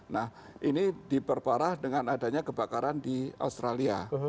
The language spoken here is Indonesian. nah ini diperparah dengan adanya kebakaran di australia